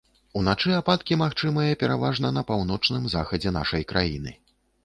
Уначы ападкі магчымыя пераважна на паўночным захадзе нашай краіны.